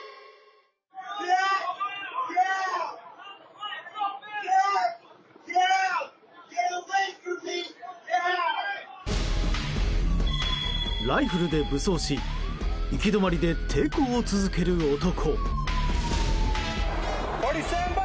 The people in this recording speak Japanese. お電話でライフルで武装し行き止まりで抵抗を続ける男。